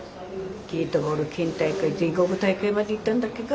ゲートボール県大会全国大会まで行ったんだっけか？